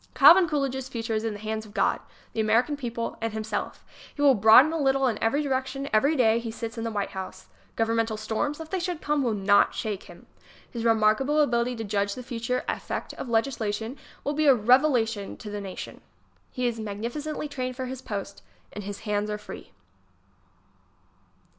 Calvin Coolidge's future is in the hands of God the American people and himself. He will broaden a little in every direction every dav he sits in the White House. Governmental storms, 'if they should come will not shake him. His remarkable ability to judge the future effect of legislation will be a revelation to the nation. He is magnificently trained for his post, and his hands are free.